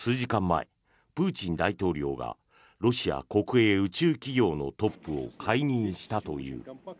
前プーチン大統領がロシア国営宇宙企業のトップを解任したという。